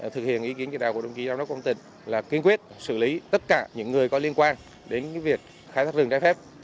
thực hiện ý kiến kỹ đạo của đồng ký giám đốc công tịch là kiên quyết xử lý tất cả những người có liên quan đến việc khai thác rừng trái phép